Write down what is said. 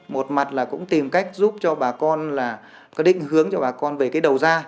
một mặt là cũng tìm cách giúp cho bà con là có định hướng cho bà con về cái đầu ra